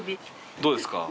どうですか？